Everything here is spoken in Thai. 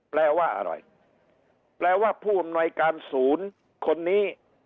แปลว่าอะไรแปลว่าผู้อำนวยการศูนย์คนนี้